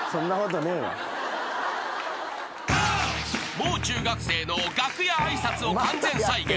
［もう中学生の楽屋挨拶を完全再現。